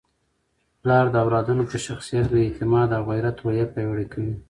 پلار د اولادونو په شخصیت کي د اعتماد او غیرت روحیه پیاوړې کوي.